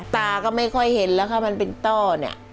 ตาก็ไม่ค่อยเห็นแล้วค่ะมันเป็นต้อเนี่ย